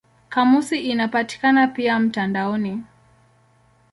Kamusi inapatikana pia mtandaoni.